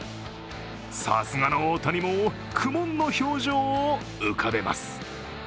さすがの大谷も苦悶の表情を浮かべます。